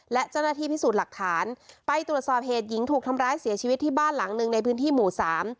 และเจ้าหน้าที่พิสูจน์หลักฐานไปตรวจสอบเหตุหญิงถูกทำร้ายเสียชีวิตที่บ้านหลังหนึ่งในพื้นที่หมู่สาม